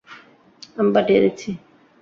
আমি পাঠিয়ে দিচ্ছি।